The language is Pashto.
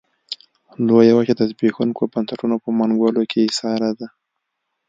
لویه وچه د زبېښونکو بنسټونو په منګلو کې ایساره ده.